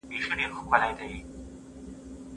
په غلط نوم يادول هم د عزت پايمالول دي.